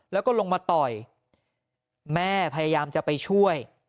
แล้วก็ลงมาต่อยแม่พยายามจะไปช่วย